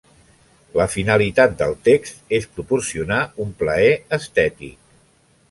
La finalitat del text és proporcionar un plaer estètic.